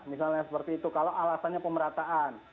misalnya seperti itu kalau alasannya pemerataan